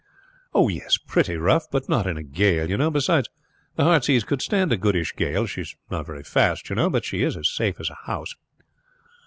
"Oh, yes, pretty rough; but not in a gale, you know. Beside, the Heartsease could stand a goodish gale. She is not very fast, you know, but she is as safe as a house."